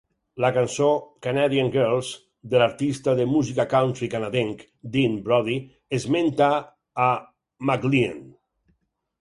La cançó "Canadian Girls" de l'artista de música country canadenc Dean Brody esmenta a MacLean.